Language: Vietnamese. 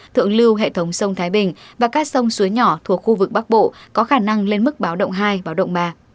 thượng lưu hệ thống sông thái bình và các sông suối nhỏ thuộc khu vực bắc bộ có khả năng lên mức báo động hai báo động ba